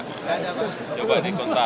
enggak coba di kontak